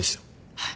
はい。